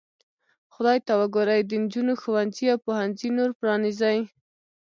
خدای ته وګورئ د نجونو ښوونځي او پوهنځي نور پرانیزئ.